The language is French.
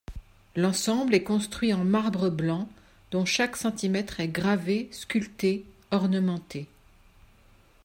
L'ensemble est construit en marbre blanc dont chaque centimètre est gravé, sculpté, ornementé.